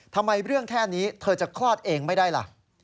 ทำไมเรื่องแค่นี้เธอจะคลอดเองไม่ได้ล่ะ